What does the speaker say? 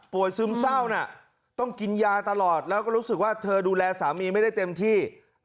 ซึมเศร้าต้องกินยาตลอดแล้วก็รู้สึกว่าเธอดูแลสามีไม่ได้เต็มที่